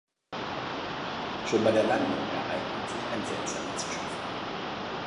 Schon bei der Landung ereignet sich ein seltsamer Zwischenfall.